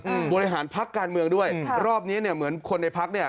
อืมบริหารพักการเมืองด้วยค่ะรอบเนี้ยเนี้ยเหมือนคนในพักเนี้ย